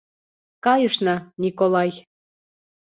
Кайышна, Николай!